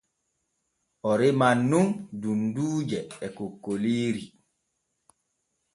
O reman nun dunduuje e kokkoliiri.